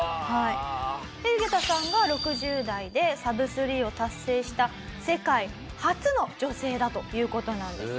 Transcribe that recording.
ユゲタさんが６０代でサブスリーを達成した世界初の女性だという事なんです。